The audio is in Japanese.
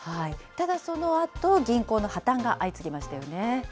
ただそのあと、銀行の破綻が相次ぎましたよね。